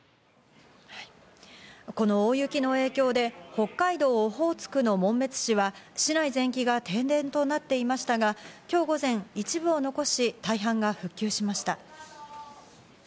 この大雪の影響で北海道オホーツクの紋別市は市内全域が停電となっていましたが、今日午前、一部を残し、大半が復旧しました。